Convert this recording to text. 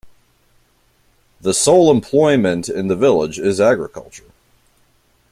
The sole employment in the village is agriculture.